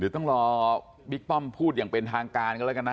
เดี๋ยวต้องรอบิ๊กป้อมพูดอย่างเป็นทางการกันแล้วกันนะ